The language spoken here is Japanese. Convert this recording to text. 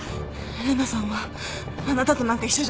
玲奈さんはあなたとなんか一緒じゃない。